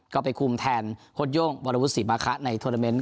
ก็ไปคุมแทนคดโย่งวรรวุษรีมะคะในทวรรณ์เม้นต์